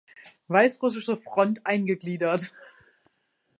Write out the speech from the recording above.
Weißrussische Front eingegliedert.